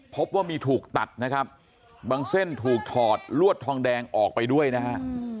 พบว่ามีถูกตัดนะครับบางเส้นถูกถอดลวดทองแดงออกไปด้วยนะฮะ